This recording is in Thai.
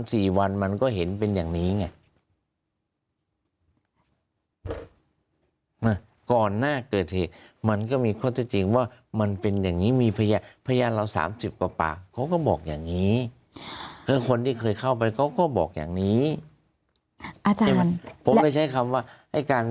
สั่งสอบเพิ่มเรื่องหมอเท่านั้นเองแล้วก็สั่งเพิ่มข้อหา